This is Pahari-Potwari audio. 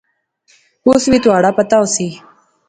اُس وی تہواڑا پتہ ہوسی